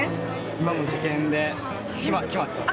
今もう受験で決まってます。